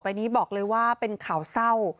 นี้บอกเลยว่าเป็นข่าวเศร้า